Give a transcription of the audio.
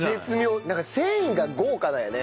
なんか繊維が豪華だよね